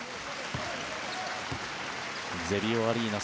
ゼビオアリーナ